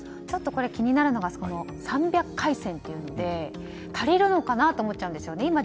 ちょっとこれ気になるのが３００回線というので足りるのかなと思っちゃうんですよね。